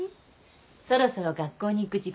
そろそろ学校に行く時間よ。